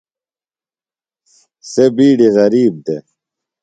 سےۡ بِیڈی غریب دےۡ۔